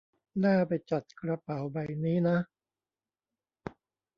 น่าไปจัดกระเป๋าใบนี้นะ